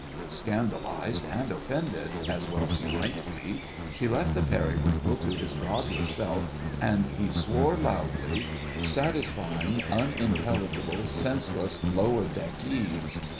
Scandalised and offended—as well she might be—she left the Periwinkle to his godless self, and he swore aloud—satisfying, unintelligible, senseless lower deckese.